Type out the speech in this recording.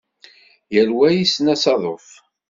Yal wa yessen asaḍuf.